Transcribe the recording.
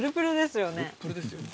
プルプルですよね。